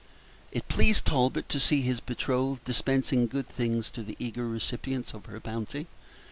It pleased Talbot to see his betrothed dispensing good things to the eager recipients of her bounty.